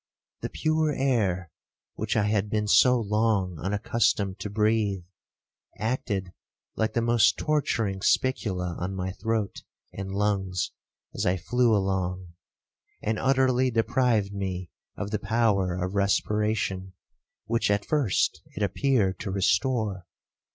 The pure air, which I had been so long unaccustomed to breathe, acted like the most torturing spicula on my throat and lungs as I flew along, and utterly deprived me of the power of respiration, which at first it appeared to restore.